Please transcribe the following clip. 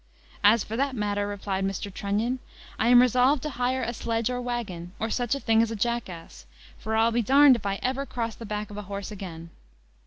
"As for that matter," replied Mr. Trunnion, "I am resolved to hire a sledge or waggon, or such a thing as a jackass; for I'll be d d if ever I cross the back of a horse again."